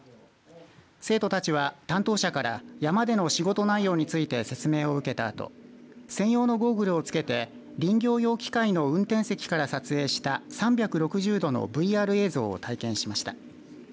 生徒たちは担当者から山での仕事内容について説明を受けたあと専用のゴーグルをつけて林業用機械の運転席から撮影した３６０度のＶＲ映像を体験しました。